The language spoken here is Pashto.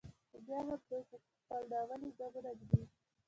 خو بیا هم دوی په کې خپل ناولي ګامونه ږدي.